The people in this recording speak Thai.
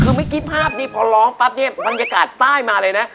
คือไม่คิดภาพนี้พอร้องปั๊บเนี่ยบรรยากาศใต้มาเลยนะ